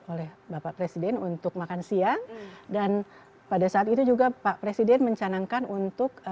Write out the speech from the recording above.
oleh bapak presiden untuk makan siang dan pada saat itu juga pak presiden mencanangkan untuk